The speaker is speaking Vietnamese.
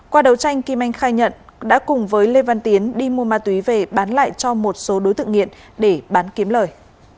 qua đấu tranh kim anh khai nhận đã cùng với lê văn tiến đi mua ma túy về bán lại cho một số đối tượng nghiện để bán kiếm lời